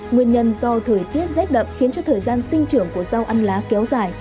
nguyên nhân do thời tiết rét đậm khiến cho thời gian sinh trưởng của rau ăn lá kéo dài